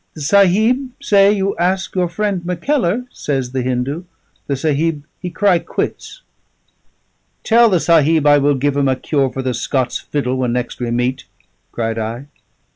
"The Sahib say you ask your friend Mackellar," says the Hindu. "The Sahib he cry quits." "Tell the Sahib I will give him a cure for the Scots fiddle when next we meet," cried I.